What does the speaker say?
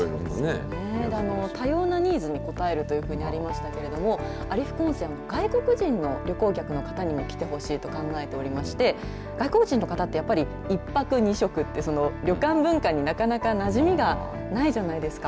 多様なニーズに応えるというふうにありましたけれども、有福温泉は外国人の旅行客の方にも来てほしいと考えておりまして、外国人の方って、やっぱり１泊２食って、旅館文化になかなかなじみがないじゃないですか。